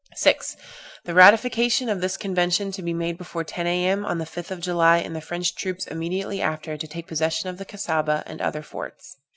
"6. The ratification of this convention to be made before 10 A.M., on the 5th of July, and the French troops immediately after to take possession of the Cassaubah, and other forts."